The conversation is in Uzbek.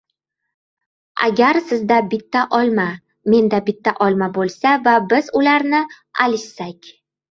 Agar sizda bitta olma, menda bitta olma boʻlsa va biz ularni alishsak